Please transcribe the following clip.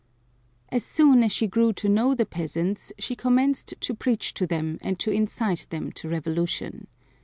As soon as she grew to know the peasants she commenced to preach to them and to incite them to revolution.